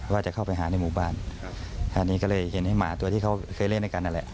ว่าจะเข้าไปหาในหมู่บ้านอันนี้ก็เลยเห็นไอ้หมาตัวที่เขาเคยเล่นด้วยกันนั่นแหละ